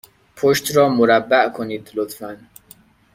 پشت را مربع کنید، لطفا.